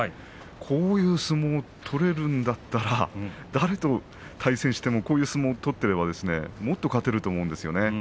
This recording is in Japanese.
こういう相撲を取れるんだったら誰と対戦してもこういう相撲を取っていれば、もっと勝てると思うんですよね。